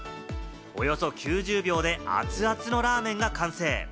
およそ９０秒で熱々のラーメンが完成。